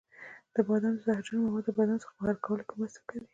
بادام د زهرجنو موادو د بدن څخه بهر کولو کې مرسته کوي.